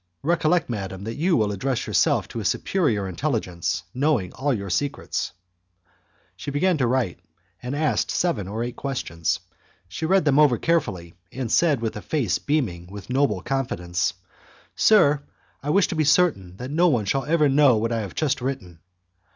Recollect, madam, that you will address yourself to a superior intelligence knowing all your secrets" She began to write, and asked seven or eight questions. She read them over carefully, and said, with a face beaming with noble confidence, "Sir, I wish to be certain that no one shall ever know what I have just written."